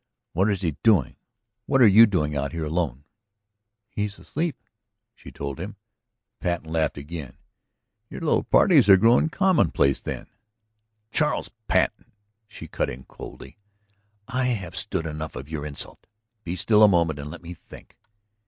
"What is he doing? What are you doing out here alone?" "He is asleep," she told him. Patten laughed again. "Your little parties are growing commonplace then!" "Charles Patten," she cut in coolly, "I have stood enough of your insult. Be still a moment and let me think."